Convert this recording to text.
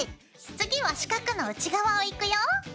次は四角の内側をいくよ。